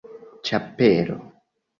ĉapelo